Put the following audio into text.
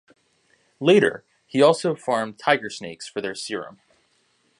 Later, he also farmed tiger snakes for their serum.